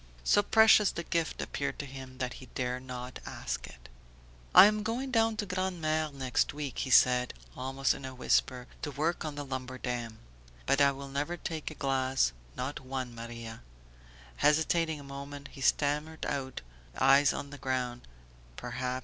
So precious the gift appeared to him that he dared not ask it. "I am going down to Grand'Mere next week," he said, almost in a whisper, "to work on the lumber dam. But I will never take a glass, not one, Maria!" Hesitating a moment he stammered out, eyes on the ground: "Perhaps